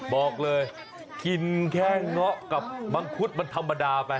บอกเลยกินแค่เงาะกับมังคุดมันธรรมดาไป